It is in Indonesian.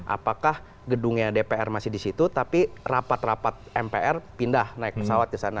apakah gedungnya dpr masih di situ tapi rapat rapat mpr pindah naik pesawat ke sana